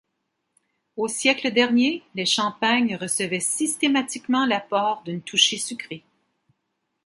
Au siècle dernier, les champagnes recevaient systématiquement l'apport d'une touche sucrée.